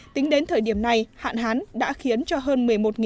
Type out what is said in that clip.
tính đến thời điểm này hạn hán đã khiến cho hơn một mươi một